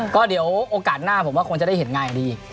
ก็เดี่ยวโอกาสหน้าผมว่าคงจะได้เห็นง่ายดีอีก